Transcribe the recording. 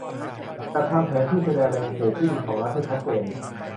จัดทำแผนที่แสดงแนวเขตที่ดินของรัฐให้ชัดเจน